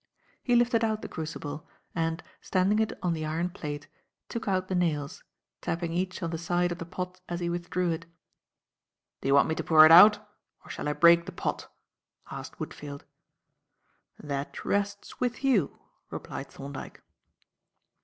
He lifted out the crucible and, standing it on the iron plate, took out the nails, tapping each on the side of the pot as he withdrew it. "Do you want me to pour it out, or shall I break the pot?" asked Woodfield. "That rests with you," replied Thorndyke.